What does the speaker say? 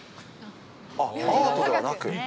あっ、アートではなく？